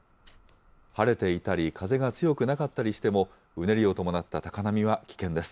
晴れていたり風が強くなかったりしても、うねりを伴った高波は危険です。